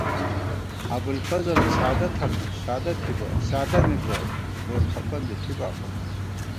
ابُوالفضل سادہ تھنہ، سادہ تھِبہ، سادہ مِبہ گور کھپن بی تھِبا خو نئ